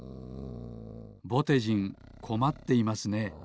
ぼてじんこまっていますね。